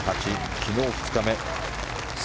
昨日２日目７